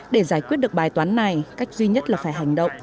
để giải quyết được bài toán này cách duy nhất là phải hành động